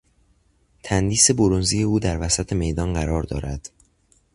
تندیس برنزی او در وسط میدان قرار دارد.